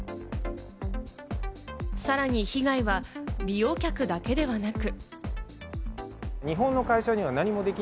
さらに被害は利用客だけではなく。